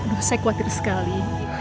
aduh saya khawatir sekali